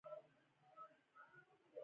د پیتالوژي علم د بدن هره برخه څېړي.